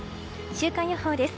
週間予報です。